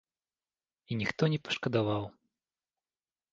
І ніхто не пашкадаваў.